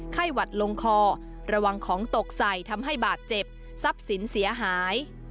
หวัดลงคอระวังของตกใส่ทำให้บาดเจ็บทรัพย์สินเสียหาย